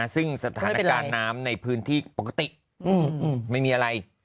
ซึ่งสถานการณ์น้ำในพื้นที่ปกติไม่มีอะไร